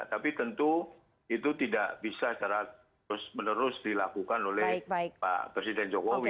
tapi tentu itu tidak bisa secara terus menerus dilakukan oleh pak presiden jokowi